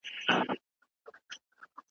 زړګى مي غواړي چي دي خپل كړمه زه